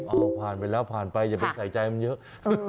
เอาผ่านไปแล้วผ่านไปอย่าไปใส่ใจมันเยอะ